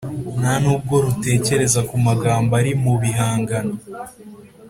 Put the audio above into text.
nta n’ubwo rutekereza ku magambo ari mu bihangano,